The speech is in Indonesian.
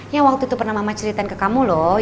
yang waktu itu pernah mama ceritain ke kamu loh